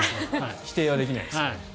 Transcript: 否定はできないですね。